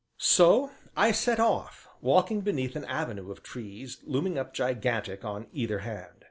So I set off, walking beneath an avenue of trees looming up gigantic on either hand.